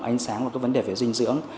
ánh sáng và vấn đề về dinh dưỡng